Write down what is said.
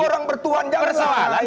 aku orang bertuahan janganlah